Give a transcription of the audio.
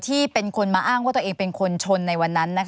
ที่เป็นคนมาอ้างว่าตัวเองเป็นคนชนในวันนั้น